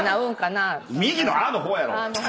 右の阿の方やろ！